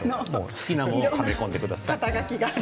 好きなものをはめ込んでください。